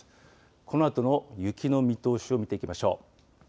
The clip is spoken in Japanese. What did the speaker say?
このあとの雪の見通しを見ていきましょう。